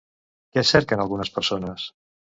Què cerquen algunes persones?